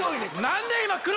何で今。